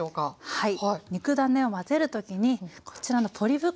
はい。